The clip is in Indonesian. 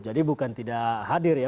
jadi bukan tidak hadir ya